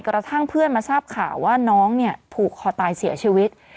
กระทั่งเพื่อนมาทราบข่าวว่าน้องเนี่ยผูกคอตายเสียชีวิต